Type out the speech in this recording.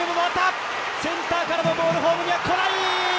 センターからのボールホームにはこない！